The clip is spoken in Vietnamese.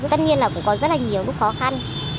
tất nhiên là cũng có rất là nhiều lúc khó khăn